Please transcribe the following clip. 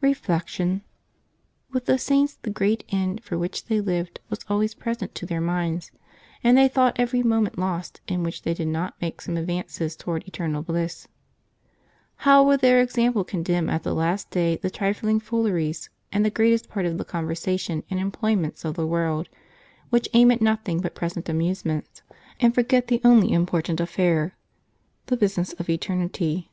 Reflection. — With the saints the great end for which they lived was always present to their minds, and they thought every moment lost in which they did not make some advances toward eternal bliss. How will their ex ample condemn at the last day the trifling fooleries and the greatest part of the conversation and employments of the world, which aim at nothing but present amusements, and forget the only important affair — the business of eternity.